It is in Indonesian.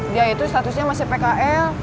dia itu statusnya masih pkl